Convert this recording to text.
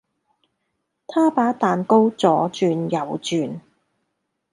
他把蛋糕左轉右轉